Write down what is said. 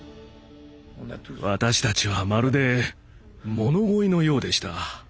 私たちはまるで物乞いのようでした。